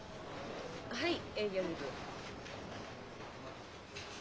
はい。